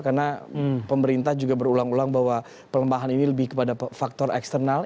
karena pemerintah juga berulang ulang bahwa pengembangan ini lebih kepada faktor eksternal